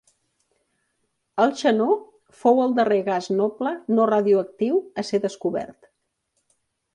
El xenó fou el darrer gas noble no radioactiu a ser descobert.